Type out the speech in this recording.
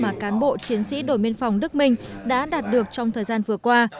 mà cán bộ chiến sĩ đồi miên phòng đức minh đã đạt được trong thời gian vừa qua